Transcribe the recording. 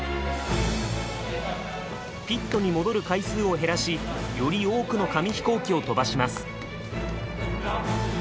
ピットに戻る回数を減らしより多くの紙飛行機を飛ばします。